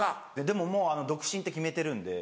でももう独身って決めてるんで。